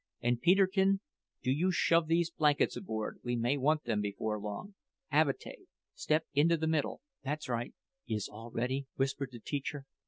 "And, Peterkin, do you shove these blankets aboard; we may want them before long. Avatea, step into the middle: that's right." "Is all ready?" whispered the teacher.